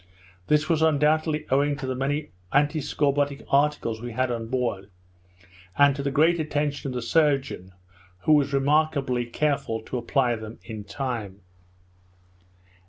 This was undoubtedly owing to the many antiscorbutic articles we had on board, and to the great attention of the surgeon, who was remarkably careful to apply them in time.